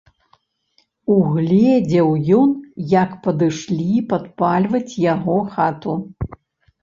Угледзеў ён, як падышлі падпальваць яго хату.